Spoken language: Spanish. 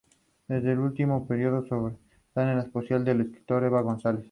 La película obtiene pobres valoraciones en los portales y revistas de información cinematográfica.